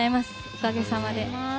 おかげさまで。